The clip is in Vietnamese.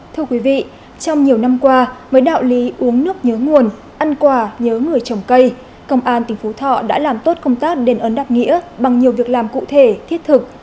thưa quý vị trong nhiều năm qua với đạo lý uống nước nhớ nguồn ăn quả nhớ người trồng cây công an tỉnh phú thọ đã làm tốt công tác đền ơn đáp nghĩa bằng nhiều việc làm cụ thể thiết thực